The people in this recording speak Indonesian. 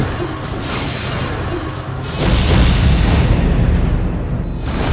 kalau kau sudah pulih